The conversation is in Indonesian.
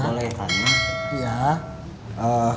kalau yang gak punya rekening